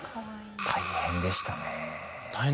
大変でした？